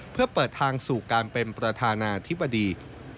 เพื่อเปิดทางสู่การเป็นประธานาธิบดี